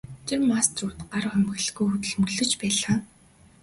Тэнд мастерууд гар хумхилгүй хөдөлмөрлөж байлаа.